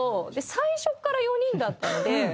最初から４人だったので。